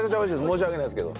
申し訳ないですけど。